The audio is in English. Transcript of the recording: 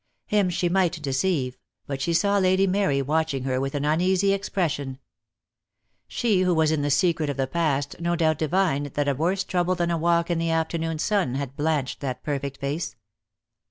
Him she might deceive, but she saw Lady Mary watching her with an uneasy expression. She who was in the secret of the past no doubt divined that a worse trouble than a walk in the afternoon sun had blanched that perfect face.